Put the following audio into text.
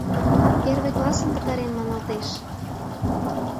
— Первый классым пытарен маналтеш!